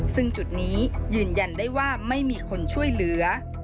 ซึ่งจุดนี้ยืนยันได้ว่าไม่มีคนช่วยเหลือ